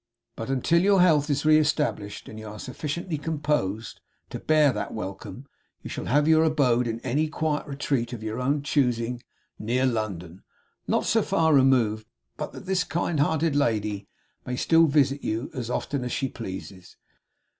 But until your health is re established, and you are sufficiently composed to bear that welcome, you shall have your abode in any quiet retreat of your own choosing, near London; not so far removed but that this kind hearted lady may still visit you as often as she pleases.